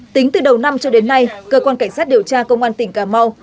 tính từ đầu năm cho đến nay cơ quan cảnh sát điều tra công an tỉnh cà mau